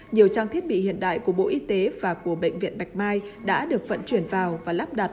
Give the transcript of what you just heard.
nhiều trang thiết bị hiện đại của bộ y tế và của bệnh viện bạch mai đã được vận chuyển vào và lắp đặt